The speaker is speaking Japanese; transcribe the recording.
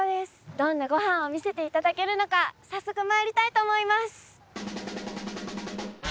どんなご飯を見せていただけるのか早速まいりたいと思います。